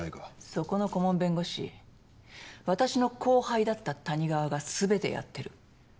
そこの顧問弁護士私の後輩だった谷川が全てやってる。